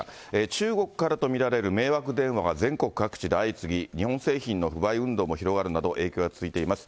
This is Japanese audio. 中国からと見られる迷惑電話が全国で相次ぎ、日本製品の不買運動も広がるなど、影響が続いています。